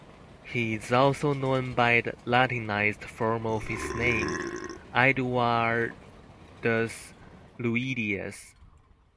He is also known by the Latinized form of his name, Eduardus Luidius.